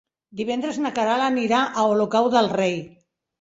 Divendres na Queralt anirà a Olocau del Rei.